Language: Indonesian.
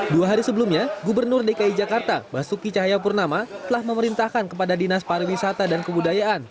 dua hari sebelumnya gubernur dki jakarta basuki cahayapurnama telah memerintahkan kepada dinas pariwisata dan kebudayaan